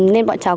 nên bọn cháu